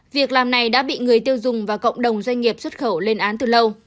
việc làm này đã bị người tiêu dùng và cộng đồng doanh nghiệp xuất khẩu lên án từ lâu